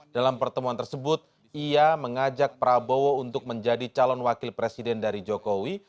dalam pertemuan tersebut ia mengajak prabowo untuk menjadi calon wakil presiden dari jokowi